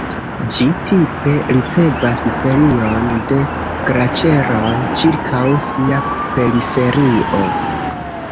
Ĝi tipe ricevas serion de glaĉeroj ĉirkaŭ sia periferio.